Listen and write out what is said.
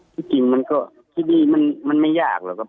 ที่จริงมันก็คิดดีมันไม่ยากหรอกครับ